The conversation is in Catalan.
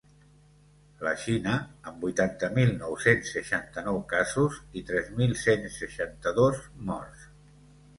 La Xina, amb vuitanta mil nou-cents seixanta-nou casos i tres mil cent seixanta-dos morts.